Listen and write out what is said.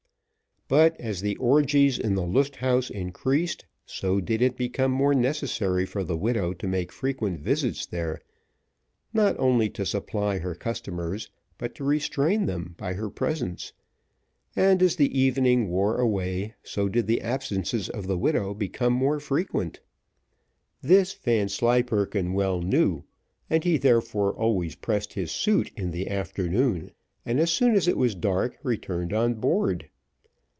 But as the orgies in the Lust Haus increased, so did it become more necessary for the widow to make frequent visits there; not only to supply her customers, but to restrain them by her presence; and as the evening wore away, so did the absences of the widow become more frequent. This Vanslyperken well knew, and he therefore always pressed his suit in the afternoon, and as soon as it was dark returned on board.